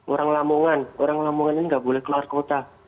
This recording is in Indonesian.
orang lamongan orang lamongan ini nggak boleh keluar kota